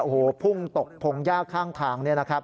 เพราะฉะนั้นโอ้โฮพุ่งตกพงษ์ยากข้างทาง